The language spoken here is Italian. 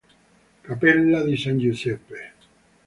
Cappella di San Giuseppe.